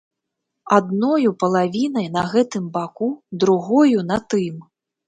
Адною палавінай на гэтым баку, другою на тым.